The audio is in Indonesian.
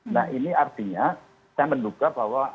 nah ini artinya saya menduga bahwa